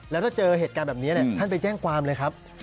แล้วถ้าเจอเหตุการณ์แบบนี้ท่านไปแจ้งความเลยครับ